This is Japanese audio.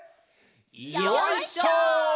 よいしょ！